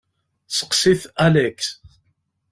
Seqsit Alex.